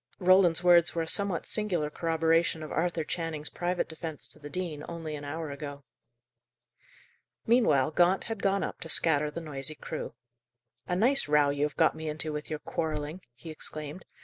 Roland's words were a somewhat singular corroboration of Arthur Channing's private defence to the dean only an hour ago. Meanwhile Gaunt had gone up to scatter the noisy crew. "A nice row you have got me into with your quarrelling," he exclaimed.